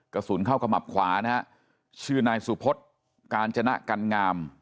กระสุนเข้าขมับขวานะฮะชื่อนายสุพศกาญจนะกันงาม